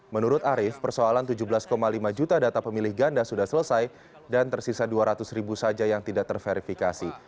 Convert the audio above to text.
menurut arief persoalan tujuh belas lima juta data pemilih ganda sudah selesai dan tersisa dua ratus ribu saja yang tidak terverifikasi